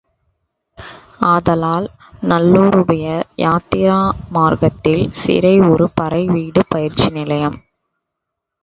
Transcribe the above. ஆதலால் நல்லோருடைய யாத்திரா மார்க்கத்தில் சிறை ஒரு படை வீடு பயிற்சி நிலையம்.